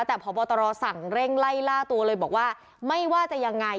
แต่พบตรสั่งเร่งไล่ล่าตัวเลยบอกว่าไม่ว่าจะยังไง